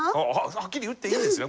はっきり言っていいんですね？